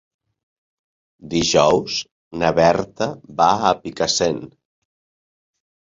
Dijous na Berta va a Picassent.